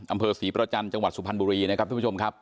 อำเภอศรีประจันทร์จังหวัดสุพรรณบุรีนะครับทุกผู้ชมครับ